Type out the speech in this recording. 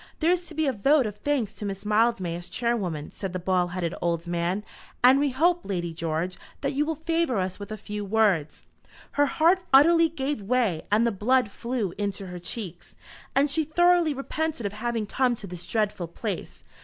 "There is to be a vote of thanks to Miss Mildmay as Chairwoman," said the bald headed old man, "and we hope, Lady George, that you will favour us with a few words." Her heart utterly gave way and the blood flew into her cheeks, and she thoroughly repented of having come to this dreadful place.